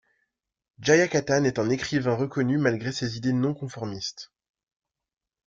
Jayakanthan est un écrivain reconnu malgré ses idées non conformistes.